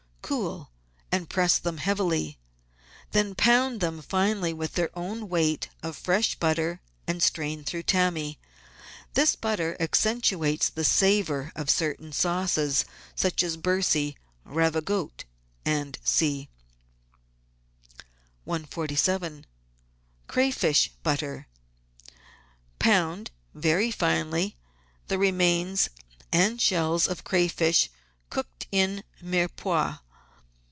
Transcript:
Cool, and press them heavily. Then pound them finely with their own weight of fresh butter and strain through tammy. This butter accentuates the savour of certain sauces, such as Bercy, Ravigote, &c. 147— CRAYFISH BUTTER Pound, very finely, the remains and shells of crayfish cooked in Mirepoix.